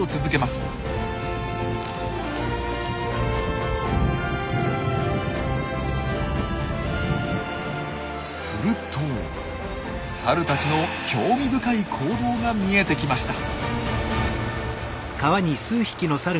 するとサルたちの興味深い行動が見えてきました。